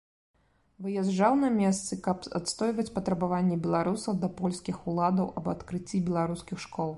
Выязджаў на месцы, каб адстойваць патрабаванні беларусаў да польскіх уладаў аб адкрыцці беларускіх школ.